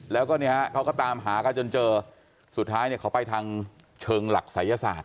แล้วก็เขาก็ตามหากันจนเจอสุดท้ายเขาไปทางเชิงหลักศัยยศาสตร์